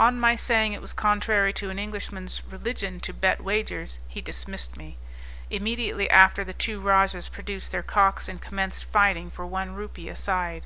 On my saying it was contrary to an Englishman's religion to bet wagers, he dismissed me; immediately after the two rajahs produced their cocks and commenced fighting for one rupee a side.